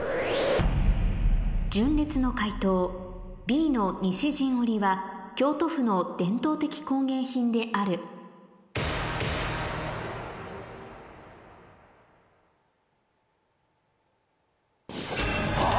純烈の解答Ｂの西陣織は京都府の伝統的工芸品であるあぁ！